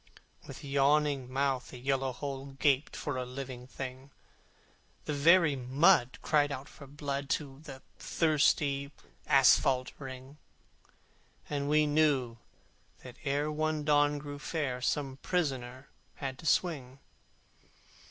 With yawning mouth the horrid hole Gaped for a living thing; The very mud cried out for blood To the thirsty asphalte ring: And we knew that ere one dawn grew fair The fellow had to swing.